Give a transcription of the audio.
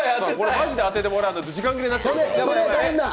マジで当ててもらわないと時間切れになっちゃう。